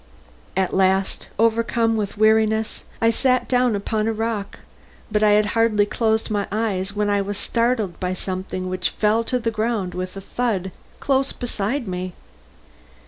At last, overcome with weariness, I sat down upon a rock, but I had hardly closed my eyes when I was startled by something which fell to the ground with a thud close beside me.